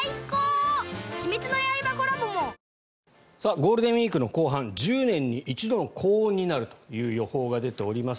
ゴールデンウィークの後半１０年に一度の高温になるという予報が出ております。